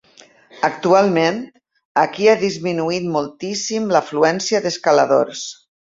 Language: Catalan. Actualment, aquí ha disminuït moltíssim l'afluència d'escaladors.